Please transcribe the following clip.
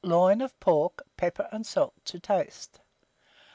Loin of pork, pepper and salt to taste.